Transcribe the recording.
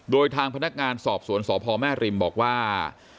โดยทางพนักงานสอบสวนสพแม่ริมบอกว่า